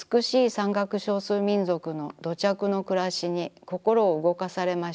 山岳少数民族の土着のくらしに心をうごかされました。